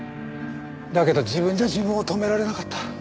だけど自分じゃ自分を止められなかった。